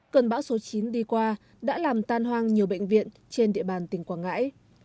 cơn bão số chín đi qua đã làm tan hoang nhiều bệnh viện trên địa bàn tỉnh quảng ngãi